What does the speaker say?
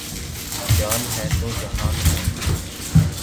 جان ہے تو جہان ہے